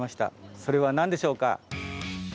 それは何でしょうか？